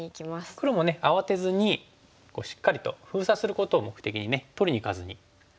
黒もね慌てずにしっかりと封鎖することを目的にね取りにいかずに。